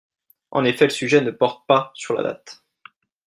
En effet, le sujet ne porte pas sur la date.